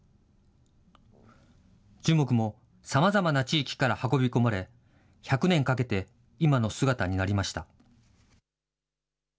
樹木もさまざまな地域から運び込まれ、１００年かけて今の姿になりました。